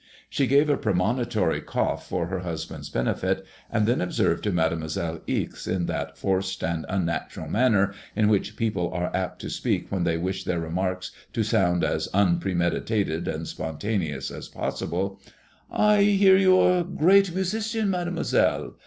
She gave a premonitory cough for her husband's benefit, and then observed to Made moiselle Ixe in that forced and unnatural manner in which people are apt to speak when they wish their remarks to sound as un premeditated and spontaneous as possible : ''I hear you are a great musician. Mademoiselle.